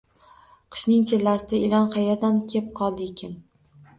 Qishning chillasida ilon qaerdan kep qoldiykin